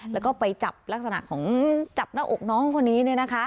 แล้วก็ไปจับลักษณะของจับหน้าอกน้องคนนี้